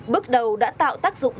bước đầu đã tạo tác dụng